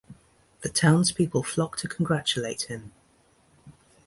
The townspeople flock to congratulate him.